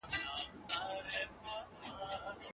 د ښځو میراث ورکړئ.